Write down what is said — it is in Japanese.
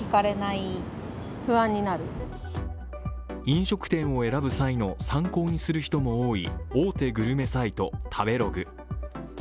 飲食店を選ぶ際の参考にする人も多い大手グルメサイト、食べログ。